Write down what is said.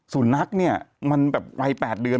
สุนัขมันแบบวัย๘เดือน